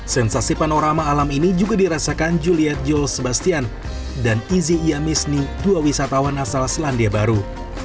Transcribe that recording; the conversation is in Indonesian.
sensasi panorama alam ini juga dirasakan juliet jules sebastian dan izzy iyamisni dua wisatawan asal selandia baru